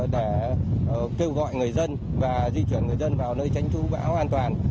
để kêu gọi người dân và di chuyển người dân vào nơi tránh chú bão an toàn